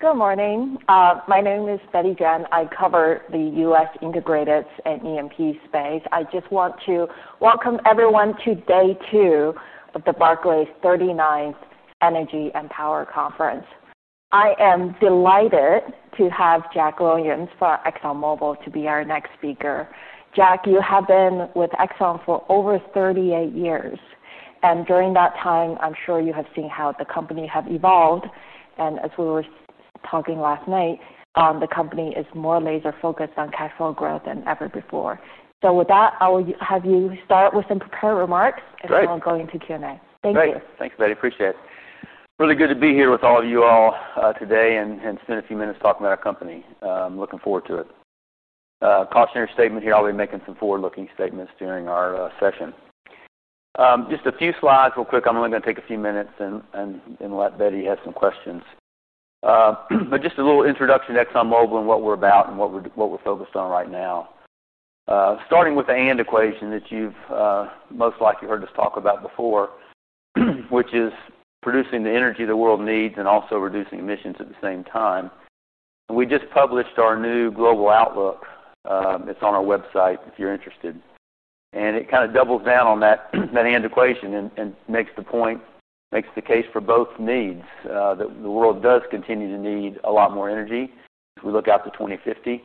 Good morning. My name is Betty Jen. I cover the U.S. Integrated and E&P space. I just want to welcome everyone to day two of the Barclays 39th Energy and Power Conference. I am delighted to have Jack Williams from ExxonMobil to be our next speaker. Jack, you have been with Exxon for over 38 years. During that time, I'm sure you have seen how the company has evolved. As we were talking last night, the company is more laser-focused on cash flow growth than ever before. With that, I will have you start with some prepared remarks before going to Q&A. Thank you. Thanks, Betty. Appreciate it. Really good to be here with all of you all today and spend a few minutes talking about our company. I'm looking forward to it. A cost center statement here. I'll be making some forward-looking statements during our session. Just a few slides, real quick. I'm only going to take a few minutes and let Betty have some questions. Just a little introduction to ExxonMobil and what we're about and what we're focused on right now. Starting with the AND equation that you've most likely heard us talk about before, which is producing the energy the world needs and also reducing emissions at the same time. We just published our new global outlook. It's on our website if you're interested. It kind of doubles down on that AND equation and makes the point, makes the case for both needs. The world does continue to need a lot more energy. We look out to 2050.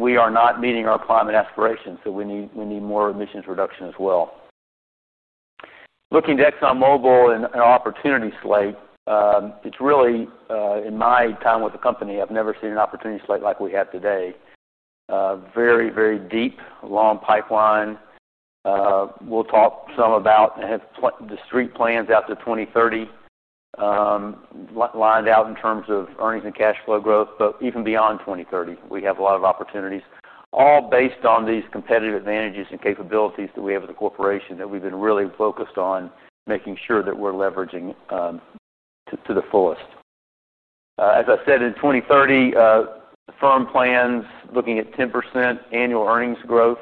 We are not meeting our climate aspirations. We need more emissions reduction as well. Looking at ExxonMobil and our opportunity slate, it's really, in my time with the company, I've never seen an opportunity slate like we have today. Very, very deep, long pipeline. We'll talk some about the street plans out to 2030, lined out in terms of earnings and cash flow growth. Even beyond 2030, we have a lot of opportunities, all based on these competitive advantages and capabilities that we have as a corporation that we've been really focused on making sure that we're leveraging to the fullest. In 2030, the firm plans looking at 10% annual earnings growth,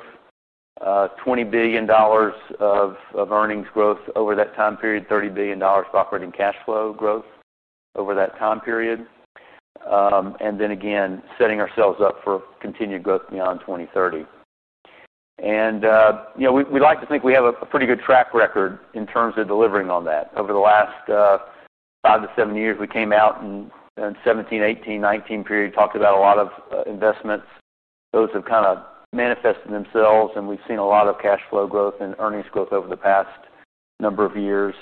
$20 billion of earnings growth over that time period, $30 billion of operating cash flow growth over that time period. Setting ourselves up for continued growth beyond 2030. You know we like to think we have a pretty good track record in terms of delivering on that. Over the last five to seven years, we came out in 2017, 2018, 2019 period, talked about a lot of investments. Those have kind of manifested themselves. We've seen a lot of cash flow growth and earnings growth over the past number of years,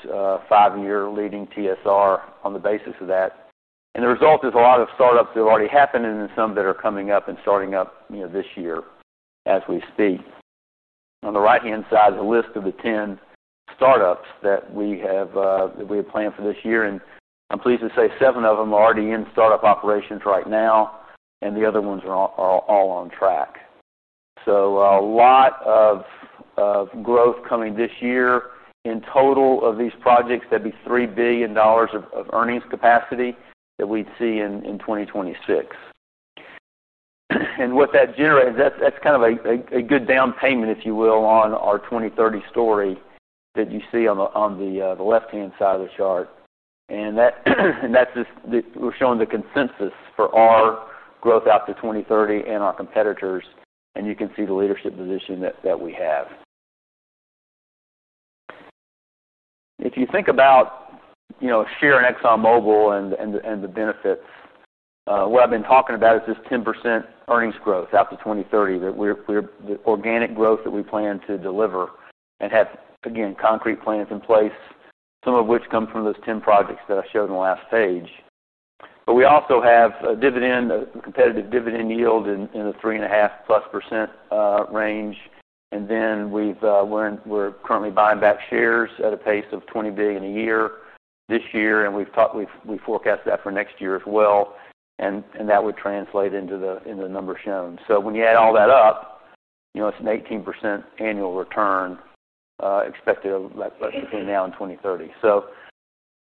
five-year leading TSR on the basis of that. The result is a lot of startups that have already happened and then some that are coming up and starting up this year as we speak. On the right-hand side is a list of the 10 startups that we have planned for this year. I'm pleased to say seven of them are already in startup operations right now. The other ones are all on track. A lot of growth coming this year. In total of these projects, that'd be $3 billion of earnings capacity that we'd see in 2026. What that generates, that's kind of a good down payment, if you will, on our 2030 story that you see on the left-hand side of the chart. That's just we're showing the consensus for our growth out to 2030 and our competitors. You can see the leadership position that we have. If you think about sharing ExxonMobil and the benefits, what I've been talking about is this 10% earnings growth out to 2030, the organic growth that we plan to deliver and have, again, concrete plans in place, some of which come from those 10 projects that I showed on the last page. We also have a competitive dividend yield in the 3.5%+ range. We've learned we're currently buying back shares at a pace of $20 billion a year this year. We've talked, we've forecast that for next year as well. That would translate into the numbers shown. When you add all that up, you know it's an 18% annual return expected between now and 2030.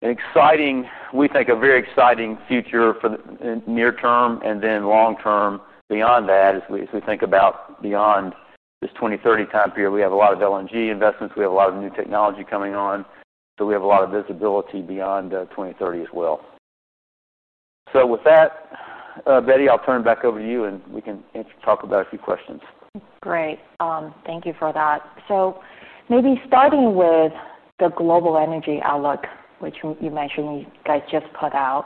An exciting, we think, a very exciting future for the near term and then long term beyond that as we think about beyond this 2030 time period. We have a lot of LNG investments. We have a lot of new technology coming on. We have a lot of visibility beyond 2030 as well. With that, Betty, I'll turn it back over to you, and we can talk about a few questions. Great. Thank you for that. Maybe starting with the global energy outlook, which you mentioned you guys just put out.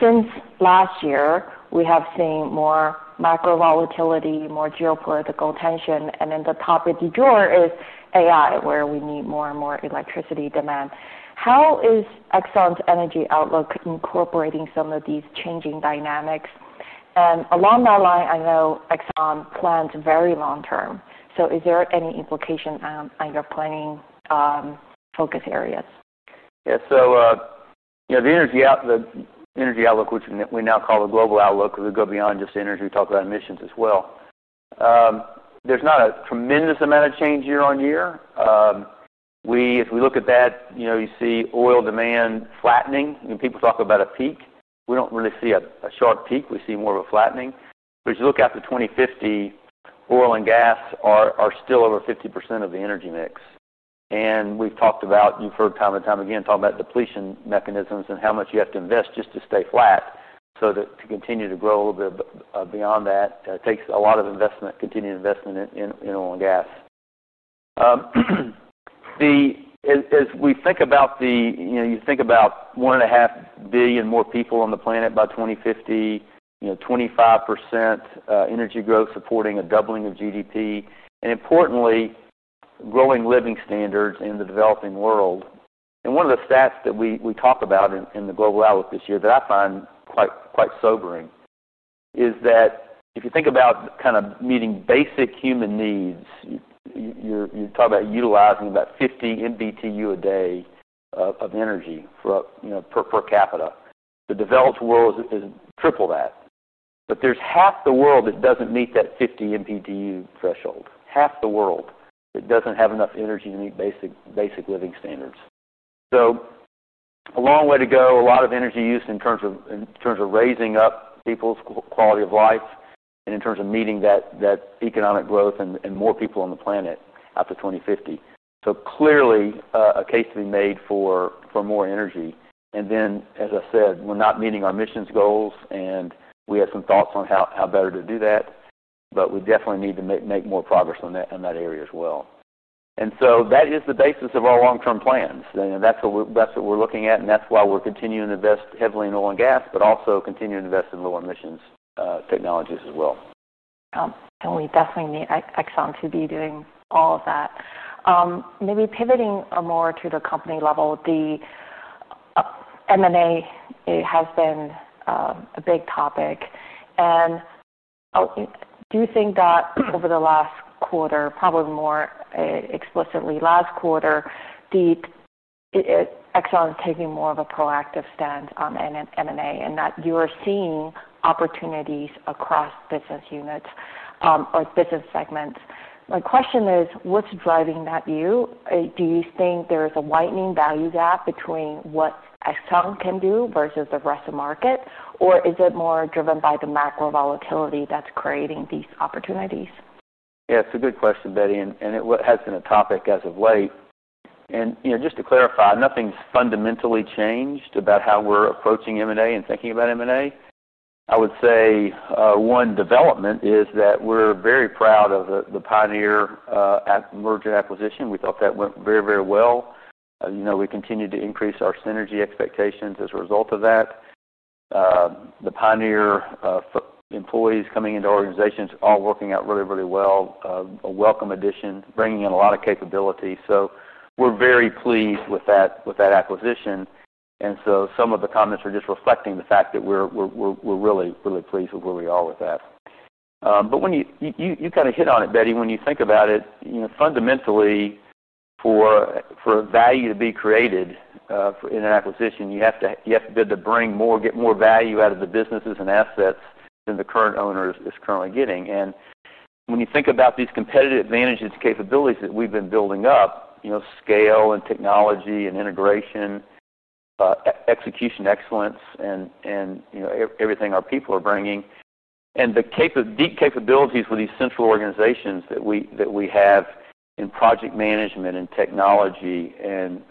Since last year, we have seen more macro volatility, more geopolitical tension. At the top of the door is AI, where we need more and more electricity demand. How is Exxon's energy outlook incorporating some of these changing dynamics? Along that line, I know Exxon plans very long term. Is there any implication on your planning focus areas? Yeah. The energy outlook, which we now call the global outlook because we go beyond just energy, we talk about emissions as well. There's not a tremendous amount of change year on year. If we look at that, you see oil demand flattening. People talk about a peak. We don't really see a sharp peak. We see more of a flattening. As you look out to 2050, oil and gas are still over 50% of the energy mix. We've talked about, you've heard time and time again, talking about depletion mechanisms and how much you have to invest just to stay flat. To continue to grow a little bit beyond that, it takes a lot of investment, continued investment in oil and gas. As we think about the, you think about 1.5 billion more people on the planet by 2050, 25% energy growth supporting a doubling of GDP, and importantly, growing living standards in the developing world. One of the stats that we talk about in the global outlook this year that I find quite sobering is that if you think about kind of meeting basic human needs, you're talking about utilizing about 50 MBTU a day of energy per capita. The developed world is triple that, but there's half the world that doesn't meet that 50 MBTU threshold, half the world that doesn't have enough energy to meet basic living standards. A long way to go, a lot of energy use in terms of raising up people's quality of life and in terms of meeting that economic growth and more people on the planet out to 2050. Clearly, a case to be made for more energy. As I said, we're not meeting our emissions goals, and we have some thoughts on how better to do that. We definitely need to make more progress on that area as well. That is the basis of our long-term plans, and that's what we're looking at. That's why we're continuing to invest heavily in oil and gas, but also continuing to invest in low-emissions technologies as well. We definitely need Exxon to be doing all of that. Pivoting more to the company level, M&A has been a big topic. Do you think that over the last quarter, probably more explicitly last quarter, Exxon is taking more of a proactive stance on M&A and that you are seeing opportunities across business units or business segments? My question is, what's driving that view? Do you think there is a widening value gap between what Exxon can do versus the rest of the market, or is it more driven by the macro volatility that's creating these opportunities? Yeah, it's a good question, Betty. It has been a topic as of late. Just to clarify, nothing's fundamentally changed about how we're approaching M&A and thinking about M&A. I would say one development is that we're very proud of the Pioneer merger and acquisition. We thought that went very, very well. We continue to increase our synergy expectations as a result of that. The Pioneer employees coming into organizations are working out really, really well. A welcome addition, bringing in a lot of capabilities. We're very pleased with that acquisition. Some of the comments are just reflecting the fact that we're really, really pleased with where we are with that. You kind of hit on it, Betty, when you think about it. Fundamentally, for value to be created in an acquisition, you have to be able to bring more, get more value out of the businesses and assets than the current owner is currently getting. When you think about these competitive advantages, capabilities that we've been building up, scale and technology and integration, execution excellence, and everything our people are bringing, and the deep capabilities with these central organizations that we have in project management and technology and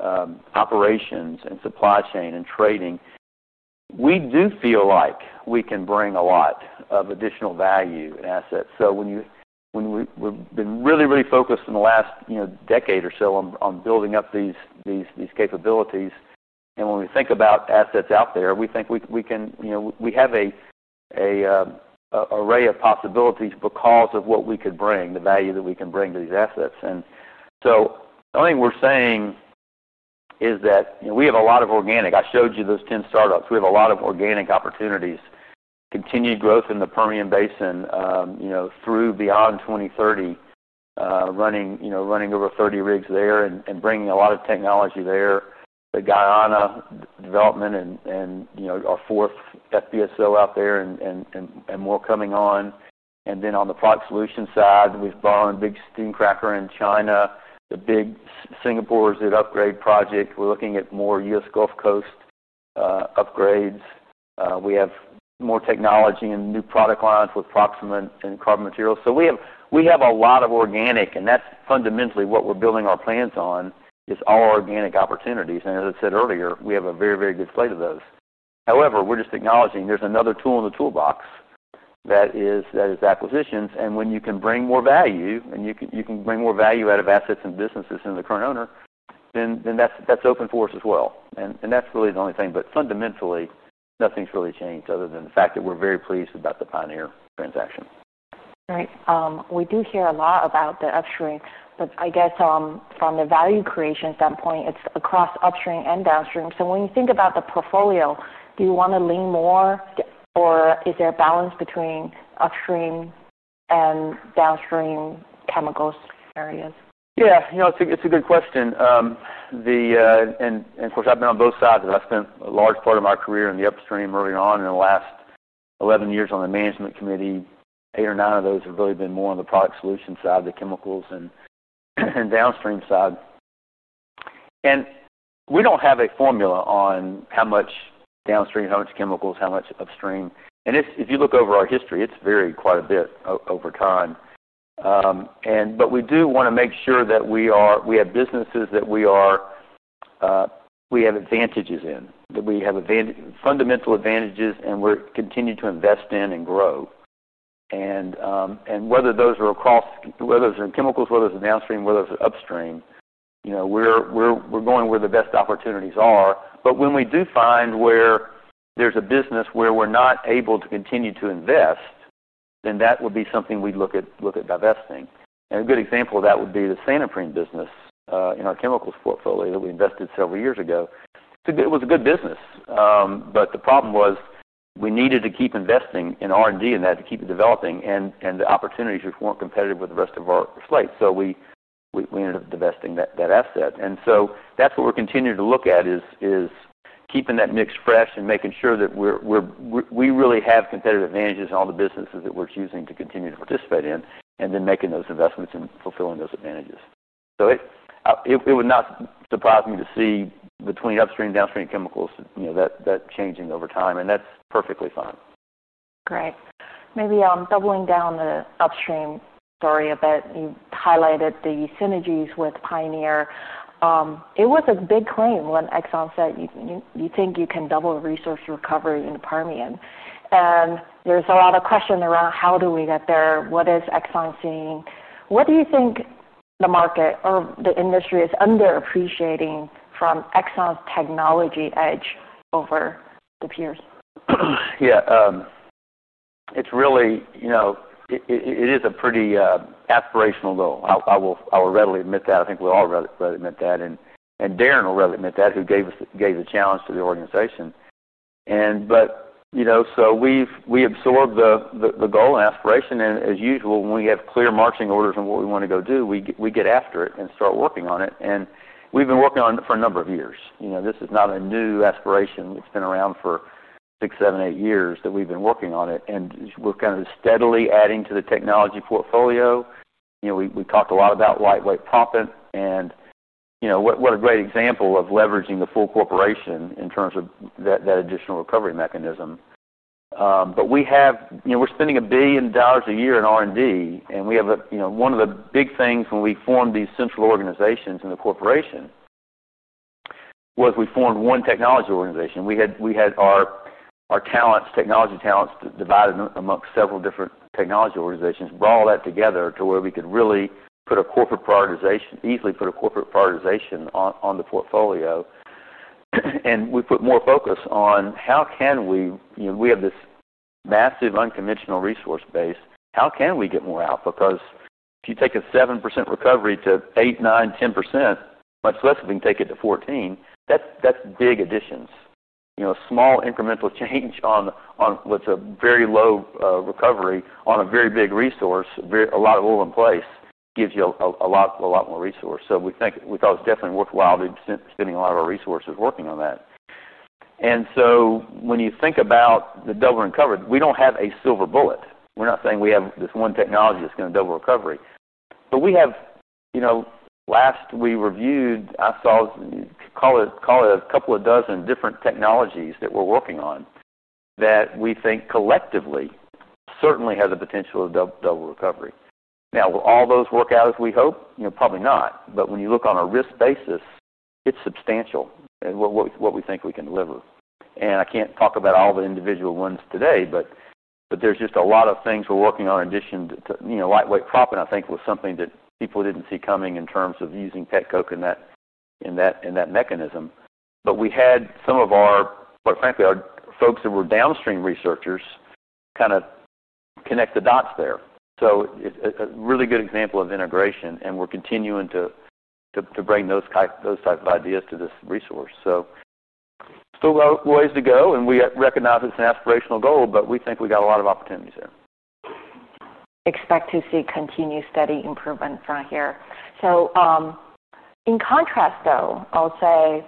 operations and supply chain and trading, we do feel like we can bring a lot of additional value and assets. We've been really, really focused in the last decade or so on building up these capabilities. When we think about assets out there, we think we can, you know, we have an array of possibilities because of what we could bring, the value that we can bring to these assets. The only thing we're saying is that we have a lot of organic. I showed you those 10 startups. We have a lot of organic opportunities, continued growth in the Permian Basin through beyond 2030, running over 30 rigs there and bringing a lot of technology there. The Guyana development and our fourth FPSO out there and more coming on. On the product solution side, we've borrowed a big steam cracker in China, the big Singapore upgrade project. We're looking at more U.S. Gulf Coast upgrades. We have more technology and new product lines with Proxima and Carbon Materials. We have a lot of organic. That's fundamentally what we're building our plans on. It's all organic opportunities. As I said earlier, we have a very, very good slate of those. However, we're just acknowledging there's another tool in the toolbox that is acquisitions. When you can bring more value and you can bring more value out of assets and businesses than the current owner, then that's open for us as well. That's really the only thing. Fundamentally, nothing's really changed other than the fact that we're very pleased about the Pioneer transaction. Right. We do hear a lot about the upstream, but I guess from the value creation standpoint, it's across upstream and downstream. When you think about the portfolio, do you want to lean more or is there a balance between upstream and downstream chemicals areas? Yeah, you know it's a good question. Of course, I've been on both sides. I spent a large part of my career in the upstream early on and in the last 11 years on the management committee. Eight or nine of those have really been more on the product solution side, the chemicals and downstream side. We don't have a formula on how much downstream, how much chemicals, how much upstream. If you look over our history, it's varied quite a bit over time. We do want to make sure that we have businesses that we have advantages in, that we have fundamental advantages and we continue to invest in and grow. Whether those are across, whether they're in chemicals, whether they're downstream, whether they're upstream, we're going where the best opportunities are. When we do find where there's a business where we're not able to continue to invest, that would be something we'd look at divesting. A good example of that would be the Santoprene business in our chemicals portfolio that we divested several years ago. It was a good business. The problem was we needed to keep investing in R&D in that to keep it developing and the opportunities weren't competitive with the rest of our slate. We ended up divesting that asset. That's what we're continuing to look at, keeping that mix fresh and making sure that we really have competitive advantages in all the businesses that we're choosing to continue to participate in and then making those investments and fulfilling those advantages. It would not surprise me to see between upstream and downstream chemicals, that changing over time. That's perfectly fine. Great. Maybe doubling down on the upstream story a bit, you highlighted the synergies with Pioneer. It was a big claim when Exxon said, you think you can double resource recovery in the Permian. There's a lot of questions around how do we get there, what is Exxon seeing, what do you think the market or the industry is underappreciating from Exxon's technology edge over the peers? Yeah. It's really, you know, it is a pretty aspirational goal. I will readily admit that. I think we all readily admit that. Darren will readily admit that, who gave us a challenge to the organization. We absorbed the goal and aspiration. As usual, when we have clear marching orders on what we want to go do, we get after it and start working on it. We've been working on it for a number of years. This is not a new aspiration. It's been around for six, seven, eight years that we've been working on it. We're kind of steadily adding to the technology portfolio. We talked a lot about lightweight propping. What a great example of leveraging the full corporation in terms of that additional recovery mechanism. We have, you know, we're spending $1 billion a year in R&D. One of the big things when we formed these central organizations in the corporation was we formed one technology organization. We had our technology talents divided amongst several different technology organizations, brought all that together to where we could really put a corporate prioritization, easily put a corporate prioritization on the portfolio. We put more focus on how can we, you know, we have this massive unconventional resource base. How can we get more out? Because if you take a 7% recovery to 8%, 9%, 10%, much less if we can take it to 14%, that's big additions. A small incremental change on what's a very low recovery on a very big resource, a lot of oil in place gives you a lot more resource. We think it was definitely worthwhile to be spending a lot of our resources working on that. When you think about the double recovery, we don't have a silver bullet. We're not saying we have this one technology that's going to double recovery. Last we reviewed, I saw, call it a couple of dozen different technologies that we're working on that we think collectively certainly have the potential of double recovery. Now, will all those work out as we hope? Probably not. When you look on a risk basis, it's substantial what we think we can deliver. I can't talk about all the individual ones today, but there's just a lot of things we're working on in addition to lightweight propping. I think that was something that people didn't see coming in terms of using Petcoke in that mechanism. We had some of our, quite frankly, our folks that were downstream researchers kind of connect the dots there. It's a really good example of integration. We're continuing to bring those types of ideas to this resource. There are still a lot of ways to go. We recognize it's an aspirational goal, but we think we got a lot of opportunities there. Expect to see continued steady improvement from here. In contrast, though, I'll say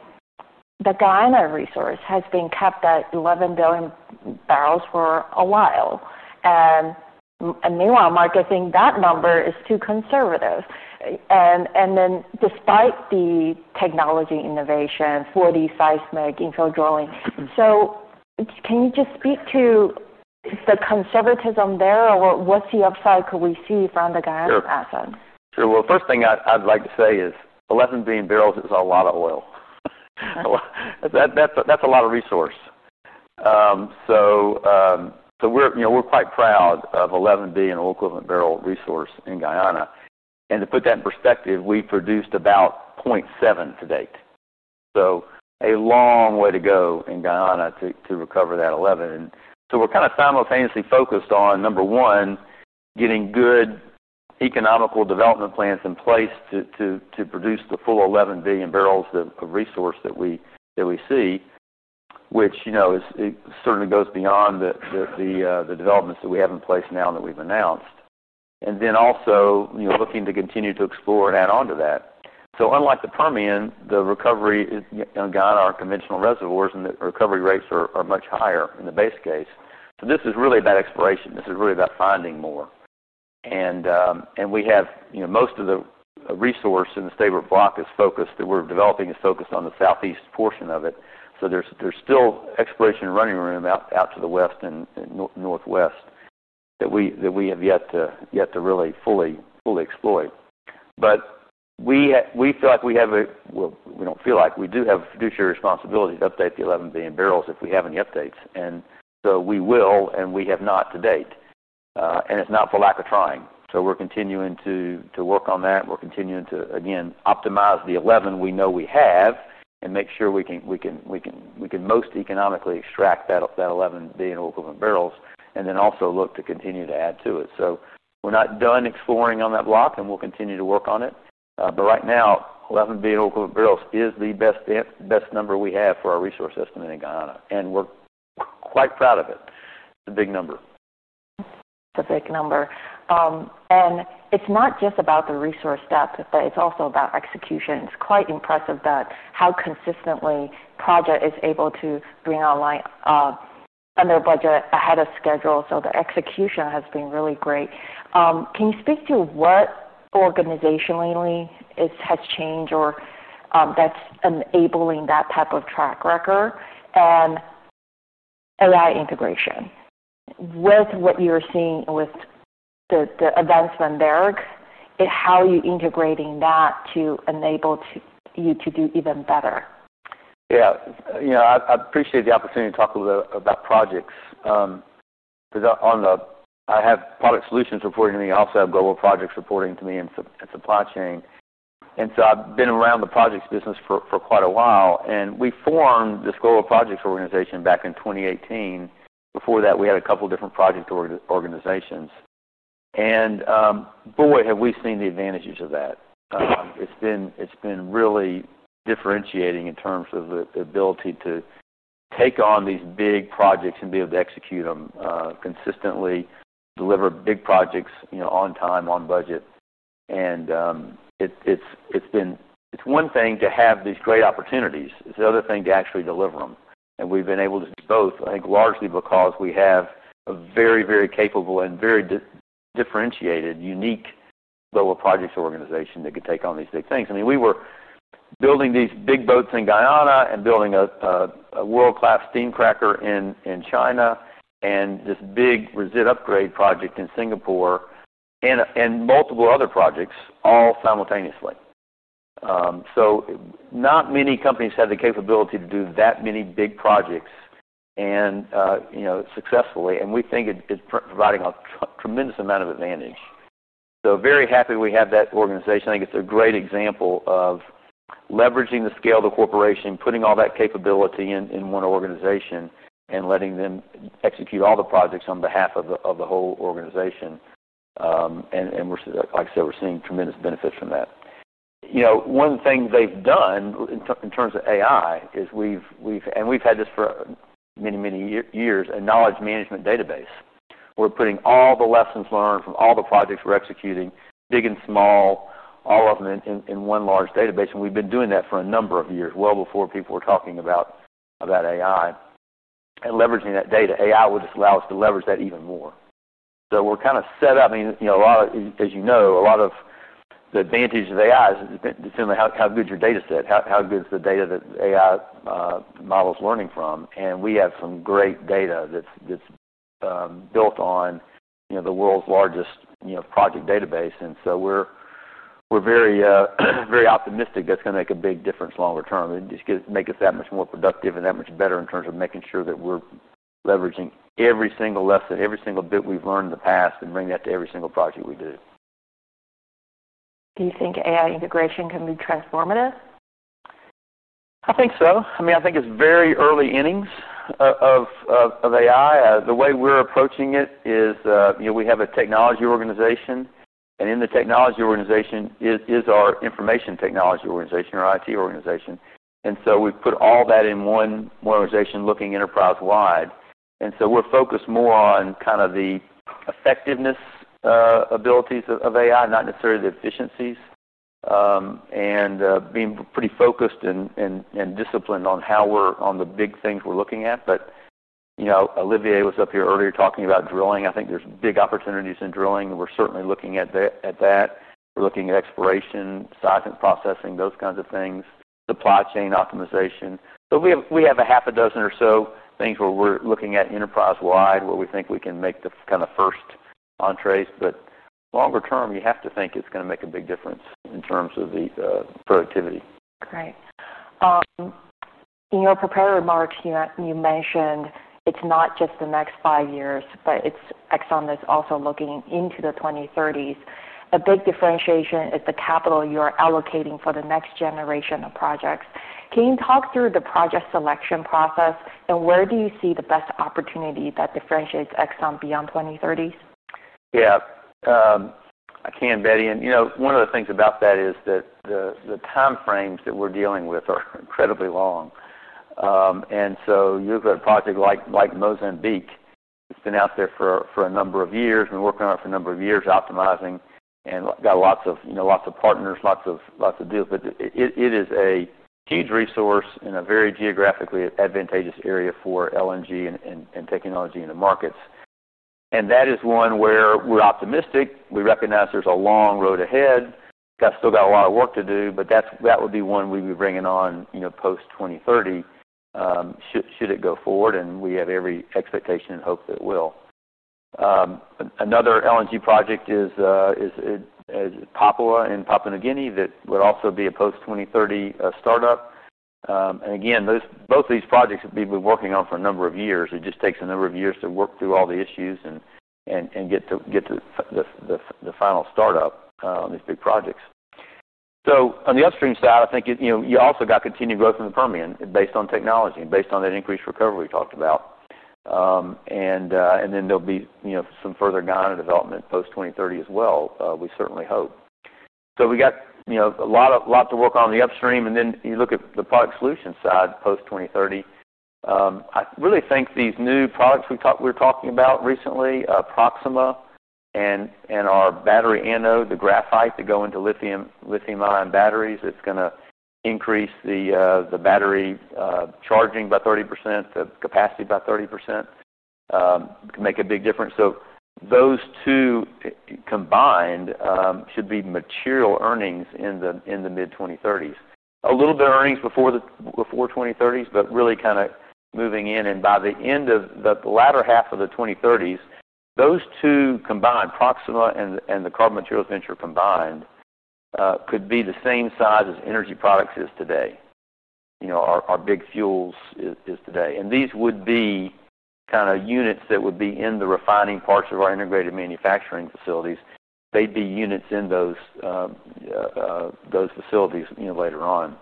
the Guyana resource has been kept at 11 billion bbl for a while. Neil and Marc are saying that number is too conservative. Despite the technology innovation for the seismic infill drilling, can you just speak to the conservatism there or what the upside could we see from the Guyana asset? Sure. The first thing I'd like to say is 11 billion bbl is a lot of oil. That's a lot of resource. We're quite proud of 11 billion oil equivalent barrel resource in Guyana. To put that in perspective, we produced about 0.7 to date. There's a long way to go in Guyana to recover that 11 billion. We're kind of simultaneously focused on, number one, getting good economical development plans in place to produce the full 11 billion bbl of resource that we see, which certainly goes beyond the developments that we have in place now that we've announced. We're also looking to continue to explore and add on to that. Unlike the Permian, the recovery in Guyana is conventional reservoirs and the recovery rates are much higher in the base case. This is really about exploration. This is really about finding more. Most of the resource in the state of our block that we're developing is focused on the southeast portion of it. There's still exploration running room out to the west and northwest that we have yet to really fully exploit. We feel like we have a fiduciary responsibility to update the 11 billion bbl if we have any updates. We will, and we have not to date. It's not for lack of trying. We're continuing to work on that. We're continuing to optimize the 11 we know we have and make sure we can most economically extract that 11 billion oil equivalent barrels and also look to continue to add to it. We're not done exploring on that block, and we'll continue to work on it. Right now, 11 billion oil equivalent barrels is the best number we have for our resource estimate in Guyana. We're quite proud of it. It's a big number. It's a big number. It's not just about the resource depth, but it's also about execution. It's quite impressive how consistently the project is able to bring online under budget, ahead of schedule. The execution has been really great. Can you speak to what organizationally has changed or that's enabling that type of track record and AI integration with what you're seeing with the events in Bergen? How are you integrating that to enable you to do even better? Yeah. You know, I'd appreciate the opportunity to talk a little bit about projects. Because I have Product Solutions reporting to me. I also have Global Projects reporting to me and Supply Chain. I've been around the projects business for quite a while. We formed this Global Projects organization back in 2018. Before that, we had a couple of different project organizations. We have seen the advantages of that. It's been really differentiating in terms of the ability to take on these big projects and be able to execute them consistently, deliver big projects on time, on budget. It's one thing to have these great opportunities. It's the other thing to actually deliver them. We've been able to do both, I think, largely because we have a very, very capable and very differentiated, unique Global Projects organization that could take on these big things. I mean, we were building these big boats in Guyana and building a world-class steam cracker in China and this big Resid Upgrade project in Singapore and multiple other projects all simultaneously. Not many companies had the capability to do that many big projects successfully. We think it's providing a tremendous amount of advantage. Very happy we have that organization. I think it's a great example of leveraging the scale of the corporation, putting all that capability in one organization, and letting them execute all the projects on behalf of the whole organization. Like I said, we're seeing tremendous benefits from that. One of the things they've done in terms of AI is we've, and we've had this for many, many years, a knowledge management database. We're putting all the lessons learned from all the projects we're executing, big and small, all of them in one large database. We've been doing that for a number of years, well before people were talking about AI and leveraging that data. AI will just allow us to leverage that even more. We're kind of set up. A lot of, as you know, a lot of the advantages of AI is just how good your data set, how good is the data that the AI model is learning from. We have some great data that's built on the world's largest project database. We're very, very optimistic that it's going to make a big difference longer term. It just makes us that much more productive and that much better in terms of making sure that we're leveraging every single lesson, every single bit we've learned in the past and bringing that to every single project we do. Do you think AI integration can be transformative? I think so. I mean, I think it's very early innings of AI. The way we're approaching it is, you know, we have a technology organization. In the technology organization is our information technology organization, our IT organization. We've put all that in one organization looking enterprise-wide. We're focused more on kind of the effectiveness abilities of AI, not necessarily the efficiencies, and being pretty focused and disciplined on how we're on the big things we're looking at. Olivier was up here earlier talking about drilling. I think there's big opportunities in drilling. We're certainly looking at that. We're looking at exploration, seismic processing, those kinds of things, supply chain optimization. We have a half a dozen or so things where we're looking at enterprise-wide what we think we can make the kind of first entrees. Longer term, you have to think it's going to make a big difference in terms of the productivity. Great. In your prepared remarks, you mentioned it's not just the next five years, but Exxon is also looking into the 2030s. A big differentiation is the capital you are allocating for the next generation of projects. Can you talk through the project selection process, and where do you see the best opportunity that differentiates Exxon beyond 2030s? Yeah. I can, Betty. One of the things about that is that the time frames that we're dealing with are incredibly long. A project like Mozambique, it's been out there for a number of years. We've been working on it for a number of years, optimizing, and got lots of partners, lots of deals. It is a huge resource in a very geographically advantageous area for LNG and technology in the markets. That is one where we're optimistic. We recognize there's a long road ahead. We've still got a lot of work to do, but that will be one we'll be bringing on post-2030, should it go forward. We have every expectation and hope that it will. Another LNG project is Papua in Papua New Guinea that would also be a post-2030 startup. Both of these projects have been working on for a number of years. It just takes a number of years to work through all the issues and get to the final startup on these big projects. On the upstream side, I think you also got continued growth in the Permian based on technology and based on that increased recovery we talked about. There will be some further Guyana development post-2030 as well, we certainly hope. We got a lot to work on the upstream. You look at the product solution side post-2030. I really think these new products we were talking about recently, Proxima and our battery anode, the graphite that go into lithium-ion batteries, it's going to increase the battery charging by 30%, the capacity by 30% to make a big difference. Those two combined should be material earnings in the mid-2030s. A little bit of earnings before the 2030s, but really kind of moving in. By the end of the latter half of the 2030s, those two combined, Proxima and the Carbon Materials Venture combined, could be the same size as energy products as today. Our big fuels is today. These would be kind of units that would be in the refining parts of our integrated manufacturing facilities. They'd be units in those facilities later on.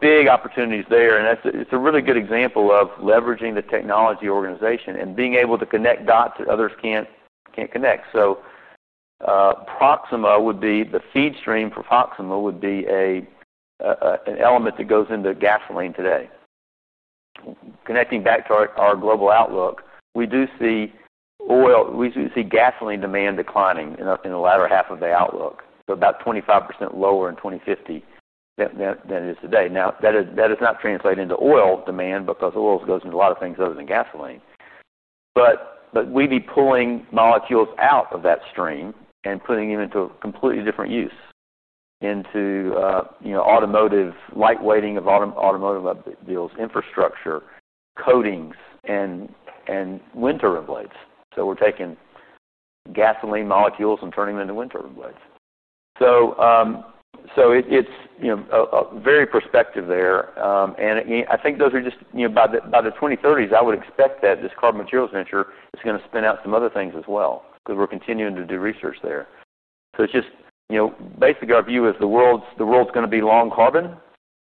Big opportunities there. It's a really good example of leveraging the technology organization and being able to connect dots that others can't connect. Proxima would be the feed stream for Proxima would be an element that goes into gasoline today. Connecting back to our global outlook, we do see oil, we see gasoline demand declining in the latter half of the outlook to about 25% lower in 2050 than it is today. Now, that does not translate into oil demand because oil goes into a lot of things other than gasoline. We'd be pulling molecules out of that stream and putting them into a completely different use, into automotive light weighting of automotive deals, infrastructure, coatings, and wind turbine blades. We're taking gasoline molecules and turning them into wind turbine blades. It's a very interesting perspective there. I think those are just, you know, by the 2030s, I would expect that this Carbon Materials venture is going to spin out some other things as well because we're continuing to do research there. Basically, our view is the world's going to be long carbon.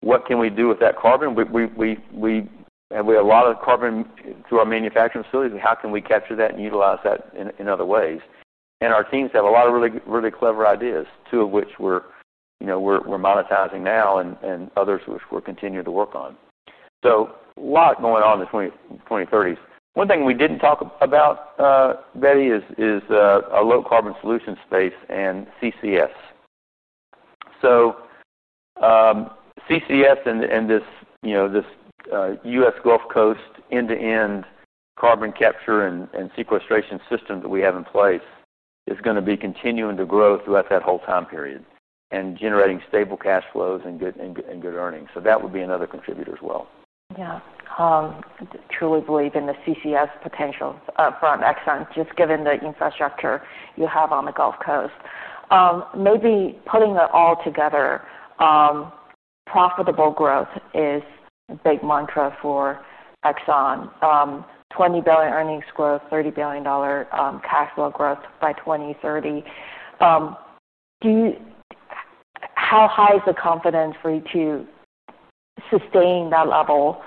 What can we do with that carbon? We have a lot of carbon through our manufacturing facilities. How can we capture that and utilize that in other ways? Our teams have a lot of really, really clever ideas, two of which we're monetizing now and others which we're continuing to work on. A lot going on in the 2030s. One thing we didn't talk about, Betty, is a low carbon solution space and CCS. CCS and this U.S. Gulf Coast end-to-end carbon capture and sequestration system that we have in place is going to be continuing to grow throughout that whole time period and generating stable cash flows and good earnings. That would be another contributor as well. Yeah. I truly believe in the CCS potential for Exxon, just given the infrastructure you have on the Gulf Coast. Maybe putting that all together, profitable growth is a big mantra for Exxon. $20 billion earnings growth, $30 billion cash flow growth by 2030. How high is the confidence for you to sustain that level,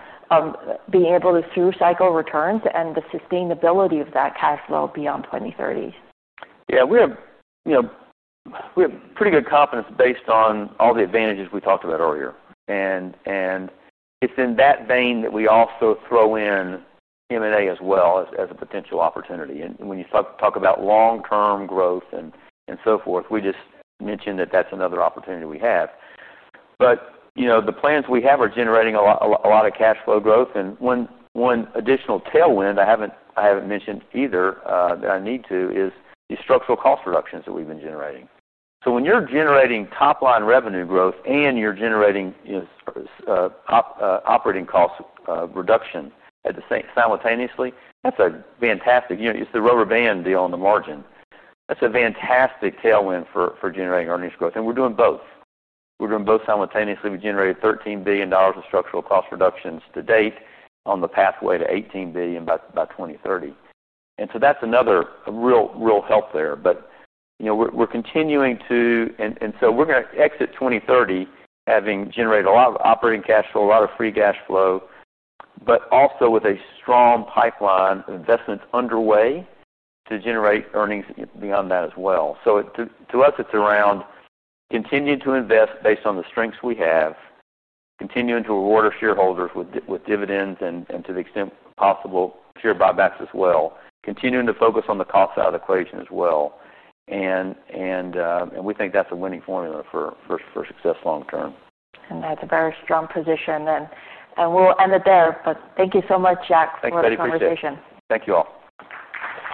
being able to through cycle return and the sustainability of that cash flow beyond 2030s? Yeah, we have pretty good confidence based on all the advantages we talked about earlier. It's in that vein that we also throw in M&A as well as a potential opportunity. When you talk about long-term growth and so forth, we just mentioned that that's another opportunity we have. The plans we have are generating a lot of cash flow growth. One additional tailwind I haven't mentioned either that I need to is these structural cost reductions that we've been generating. When you're generating top-line revenue growth and you're generating operating cost reduction at the same time, that's a fantastic, you know, it's the rubber band deal on the margin. That's a fantastic tailwind for generating earnings growth. We're doing both. We're doing both simultaneously. We generated $13 billion in structural cost reductions to date on the pathway to $18 billion by 2030. That's another real, real help there. We're continuing to, and we're going to exit 2030 having generated a lot of operating cash flow, a lot of free cash flow, but also with a strong pipeline of investments underway to generate earnings beyond that as well. To us, it's around continuing to invest based on the strengths we have, continuing to reward our shareholders with dividends and to the extent possible, share buybacks as well, continuing to focus on the cost side of the equation as well. We think that's a winning formula for success long term. That's a very strong position. We'll end it there. Thank you so much, Jack, for the conversation. Thanks, Betty. Appreciate it. Thank you all.